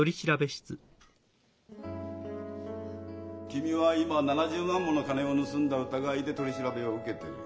君は今７０万もの金を盗んだ疑いで取り調べを受けている。